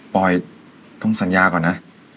ปล่อยต้องสัญญาก่อนนะ